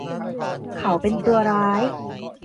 เขาเป็นตัวร้าย